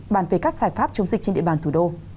bàn về các giải pháp chống dịch trên địa bàn thủ đô